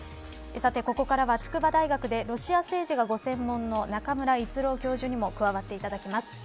さてここからは、筑波大学でロシア政治がご専門の中村逸郎教授にも加わっていただきます。